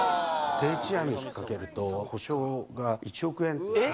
定置網に引っ掛けると、補償が１億円。え？